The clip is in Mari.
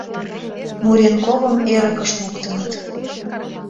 Муренковым эрыкыш луктыныт.